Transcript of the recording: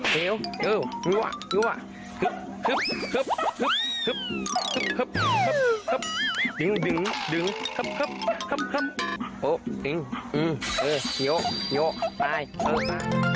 เที๋ยวเที๋ยวโหโหโหโหฮึบฮึบฮึบฮึบ